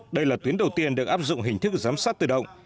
đây là tuyến đầu tiên được áp dụng hình thức giám sát tự động